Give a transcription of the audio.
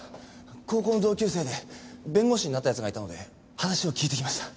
高校の同級生で弁護士になった奴がいたので話を聞いてきました。